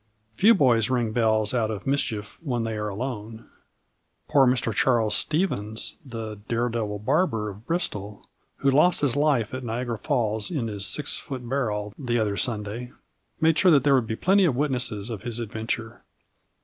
Few boys ring bells out of mischief when they are alone. Poor Mr Charles Stephens, the "Daredevil Barber" of Bristol, who lost his life at Niagara Falls in his six foot barrel the other Sunday, made sure that there would be plenty of witnesses of his adventure.